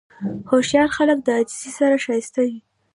هوښیار خلک د عاجزۍ سره ښایسته وي.